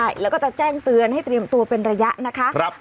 ใช่แล้วก็จะแจ้งเตือนให้เตรียมตัวเป็นระยะนะคะ